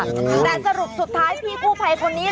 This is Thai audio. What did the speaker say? แต่สรุปสุดท้ายพี่กู้ภัยคนนี้